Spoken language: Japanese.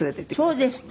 そうですってね。